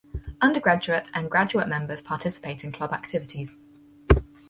Undergraduate and graduate members participate in club activities.